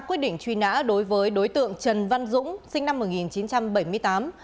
quyết định truy nã đối với đối tượng trần văn dũng sinh năm một nghìn chín trăm bảy mươi tám